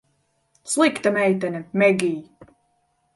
Slikta meitene, Megij.